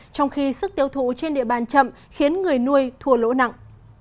trong khi sức tiêu thụ trên địa bàn chậm khiến người nuôi thua lỗ nặng